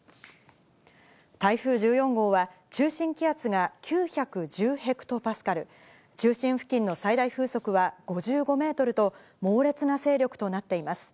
台風１４号は、中心気圧が９１０ヘクトパスカル、中心付近の最大風速は５５メートルと、猛烈な勢力となっています。